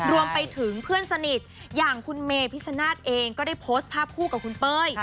รวมไปถึงเพื่อนสนิทอย่างคุณเมพิชชนาธิ์เองก็ได้โพสต์ภาพคู่กับคุณเป้ย